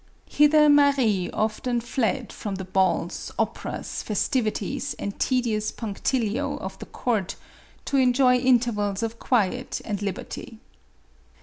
Hither Marie often fled from the MARIE ANTOINETTE. 455 balls, operas, festivities and tedious punctilio of the court, to enjoy intervals of quiet and liberty.